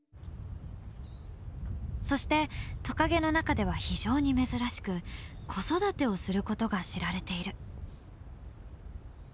そしてトカゲの中では非常に珍しく子育てをすることが知られている。